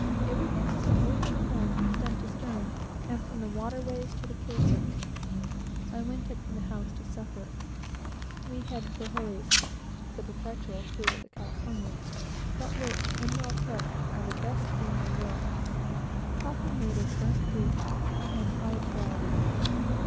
Everything has been moved in the hold, from stem to stern, and from the waterways to the keelson." I went up to the house to supper. We had frijoles, (the perpetual food of the Californians, but which, when well cooked, are the best bean in the world,) coffee made of burnt wheat, and hard bread.